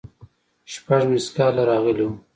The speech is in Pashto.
شپږ ميسکاله راغلي وو.